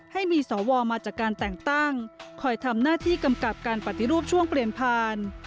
ให้มีสวมาจากการแต่งตั้งคอยทำหน้าที่กำกับการปฏิรูปช่วงเปลี่ยนผ่าน